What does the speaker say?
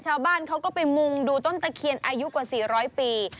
ชาวบ้านเขาก็ไปมุงดูต้นตะเคียนอายุกว่า๔๐๐ปี